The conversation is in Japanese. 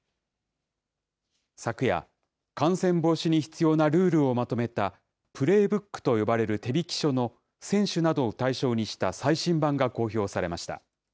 昨夜、感染防止に必要なルールをまとめた、プレーブックと呼ばれる手引書の選手などを対象にした最新版が公表されました。